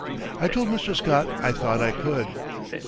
I told Mr. Scott I thought I could.